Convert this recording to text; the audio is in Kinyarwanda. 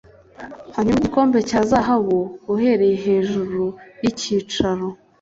Hanyuma igikombe cya zahabu uhereye hejuru yicyicaro